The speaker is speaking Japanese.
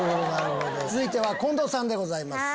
続いては近藤さんでございます。